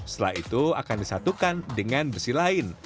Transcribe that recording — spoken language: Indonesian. setelah itu akan disatukan dengan besi lain